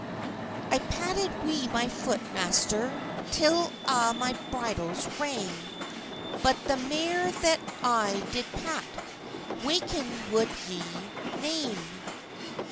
"I patted wi my foot, master, Till a' my bridles rang, But the mair that I did patt, Waken woud ye nane."